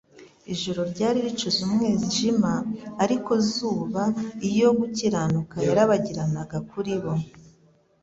Ijoro ryari ricuze umwijima, ariko Zuba iyo gukiranuka yarabagiranaga kuri bo.